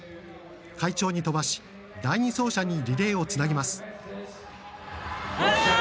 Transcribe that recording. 快調に飛ばし第２走者にリレーをつなぎます。